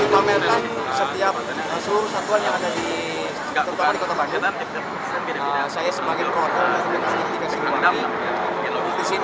saya sebagai kota saya dikasih ke sini